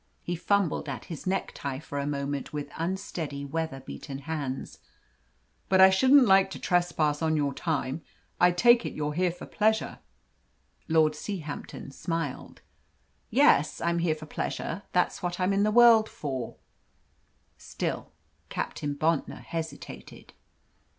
He fumbled at his necktie for a moment with unsteady, weather beaten hands. "But I shouldn't like to trespass on your time. I take it you're here for pleasure?" Lord Seahampton smiled. "Yes, I'm here for pleasure; that's what I'm in the world for." Still Captain Bontnor hesitated.